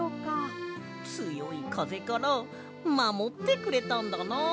つよいかぜからまもってくれたんだな。